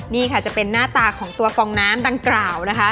นี่ค่ะจะเป็นหน้าตาของตัวฟองน้ำดังกล่าวนะคะ